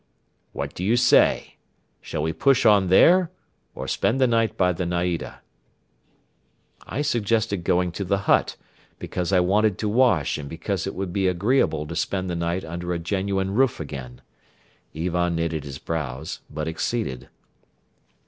"What do you say? Shall we push on there or spend the night by the naida?" I suggested going to the hut, because I wanted to wash and because it would be agreeable to spend the night under a genuine roof again. Ivan knitted his brows but acceded.